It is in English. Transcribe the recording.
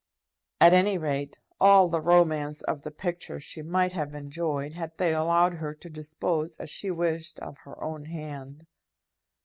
At any rate, all the romance of the picture she might have enjoyed had they allowed her to dispose as she had wished of her own hand.